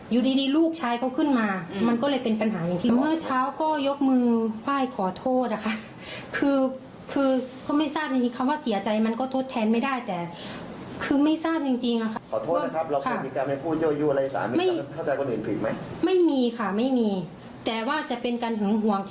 อยู่ดีลูกชายเขาขึ้นมามันก็เลยเป็นปัญหาจริง